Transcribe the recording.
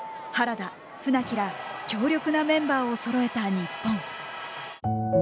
原田船木ら強力なメンバーをそろえた日本。